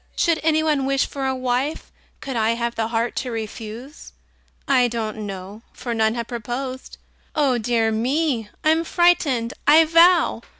Should any one wish for a wife, Could I have the heart to refuse? I don't know for none have proposed Oh, dear me! I'm frightened, I vow!